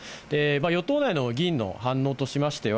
与党内の議員の反応としましては、